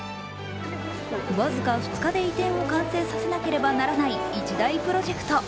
僅か２日で移転を完成させなければならない一大プロジェクト。